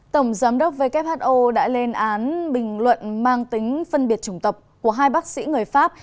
tổng giám đốc who đã lên án bình luận mang tính phân biệt chủng tập của hai bác sĩ người pháp